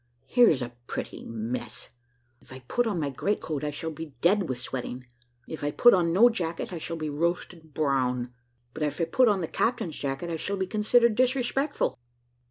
Here's a pretty mess! if I put on my great coat I shall be dead with sweating; if I put on no jacket I shall be roasted brown; but if I put on the captain's jacket I shall be considered disrespectful."